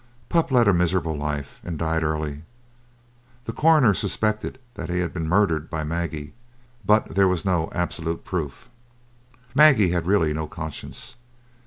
Pup led a miserable life, and died early. The coroner suspected that he had been murdered by Maggie, but there was no absolute proof. Maggie had really no conscience.